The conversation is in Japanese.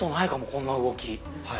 こんな動き。